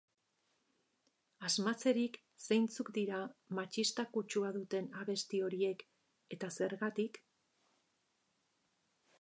Asmatzerik zeintzuk dira matxista kutsua duten abesti horiek eta zergatik?